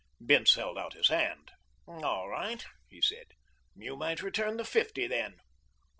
Bince held out his hand. "All right," he said, "you might return the fifty then."